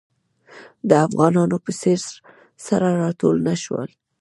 د افغانانو په څېر سره راټول نه شو.